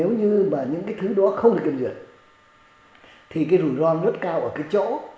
nếu như mà những cái thứ đó không được kiểm duyệt thì cái rủi ro rất cao ở cái chỗ